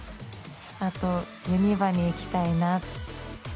あとユニバに行きたいな。